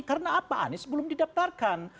karena apa anies belum didaptarkan